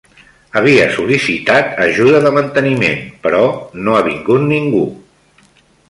Havia sol·licitat ajuda de manteniment, però no ha vingut ningú.